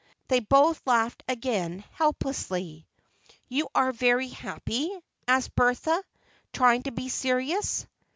They both laughed again, helplessly. "You are very happy?" asked Bertha, trying to be serious.